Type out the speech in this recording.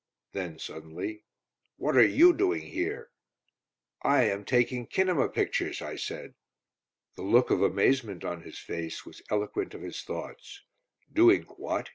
Then suddenly, "What are you doing here?" "I am taking kinema pictures!" I said. The look of amazement on his face was eloquent of his thoughts. "Doing what?"